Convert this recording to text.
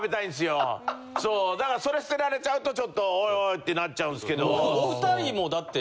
だからそれ捨てられちゃうとオイオイってなっちゃうんすけど。